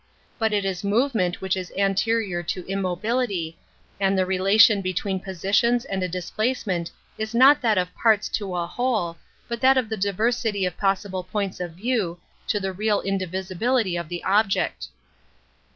But it is movement which is anterior to im mobility, and the relation between positions and a displacement is not that of parts to a whole, but that of the diversity of pos sible points of view to the real indivisibility of the object.